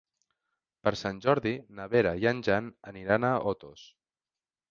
Per Sant Jordi na Vera i en Jan aniran a Otos.